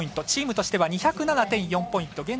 チームとしては２０７．４ポイント。